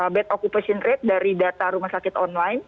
bed occupation rate dari data rumah sakit online